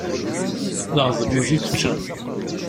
D aɣedluj i yečča.